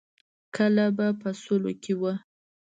کله به په سلو کې وه.